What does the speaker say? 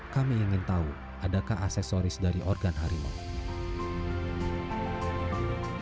kami ingin tahu adakah aksesoris dari organ harimau